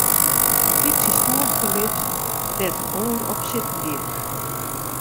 Dy't syn stoel ferlit, dêr't in oar op sitten giet.